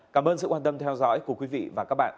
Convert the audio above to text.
cảm ơn sự quan tâm theo dõi của quý vị và các bạn